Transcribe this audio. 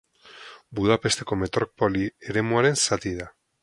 Budapesteko metropoli eremuaren zati da.